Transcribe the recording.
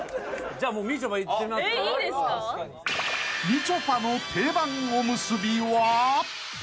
［みちょぱの定番おむすびは？］